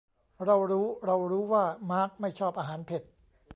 เรารู้เรารู้ว่ามาร์คไม่ชอบอาหารเผ็ด